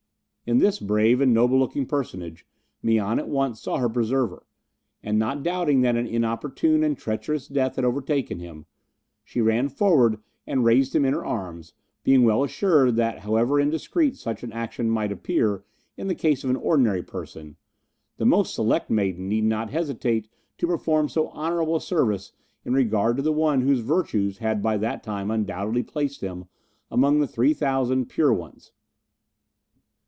In this brave and noble looking personage Mian at once saw her preserver, and not doubting that an inopportune and treacherous death had overtaken him, she ran forward and raised him in her arms, being well assured that however indiscreet such an action might appear in the case of an ordinary person, the most select maiden need not hesitate to perform so honourable a service in regard to one whose virtues had by that time undoubtedly placed him among the Three Thousand Pure Ones.